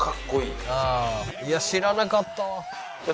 いや知らなかったわ。